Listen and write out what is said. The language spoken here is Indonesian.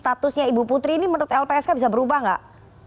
statusnya ibu putri ini menurut lpsk bisa berubah nggak